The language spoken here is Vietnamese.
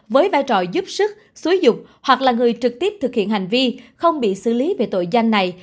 với vai trò giúp sức xúi dục hoặc là người trực tiếp thực hiện hành vi không bị xử lý về tội danh này